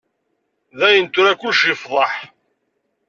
Dayen tura, kullec yefḍeḥ.